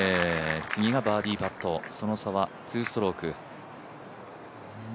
次がバーディーパット、その差は２ストローク。